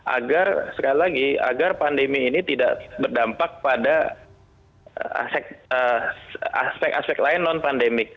agar sekali lagi agar pandemi ini tidak berdampak pada aspek aspek lain non pandemik